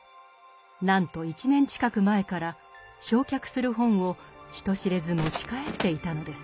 なんと１年近く前から焼却する本を人知れず持ち帰っていたのです。